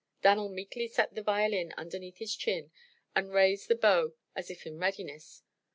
Dan'l meekly set the violin underneath his chin and raised the bow as if in readiness.